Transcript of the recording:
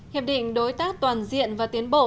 hiệp định đối tác toàn diện và tiến bộ